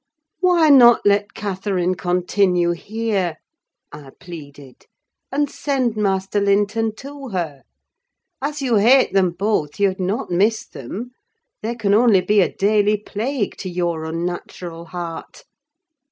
"Why not let Catherine continue here," I pleaded, "and send Master Linton to her? As you hate them both, you'd not miss them: they can only be a daily plague to your unnatural heart."